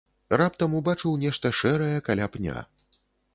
Раптам убачыў нешта шэрае каля пня.